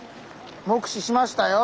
目視しましたよ。